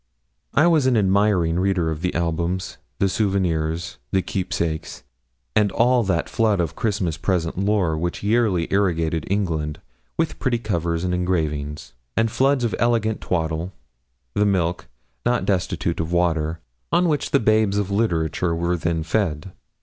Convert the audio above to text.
I was an admiring reader of the Albums, the Souvenirs, the Keepsakes, and all that flood of Christmas present lore which yearly irrigated England, with pretty covers and engravings; and floods of elegant twaddle the milk, not destitute of water, on which the babes of literature were then fed.